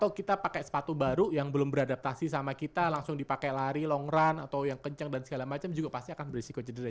kalau kita pakai sepatu baru yang belum beradaptasi sama kita langsung dipakai lari long run atau yang kencang dan segala macam juga pasti akan berisiko cedera